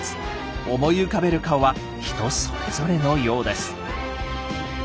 思い浮かべる顔は人それぞれのようです。